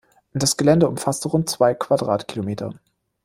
Das Gelände umfasste rund zwei Quadratkilometer.